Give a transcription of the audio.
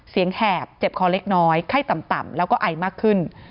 แหบเจ็บคอเล็กน้อยไข้ต่ำแล้วก็ไอมากขึ้น